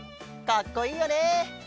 かっこいいよね！